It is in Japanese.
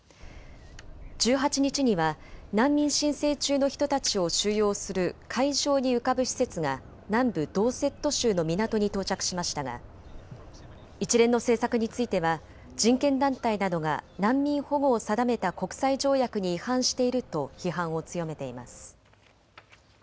１８日には難民申請中の人たちを収容する海上に浮かぶ施設が南部ドーセット州の港に到着しましたが一連の政策については人権団体などが難民保護を定めた国際条約に違反していると批判を強めています。